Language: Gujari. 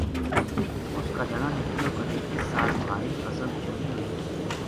اُس کا جنا نے کہیو کدے اس سال مھاری فصل چنگی ہوئی